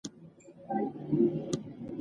تاریخ د پېښو زيرمه ده.